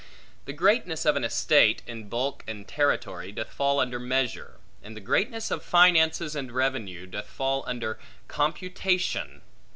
The greatness of an estate, in bulk and territory, doth fall under measure; and the greatness of finances and revenue, doth fall under computation.